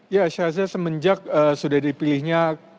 ya saya rasa semenjak sudah dipilihnya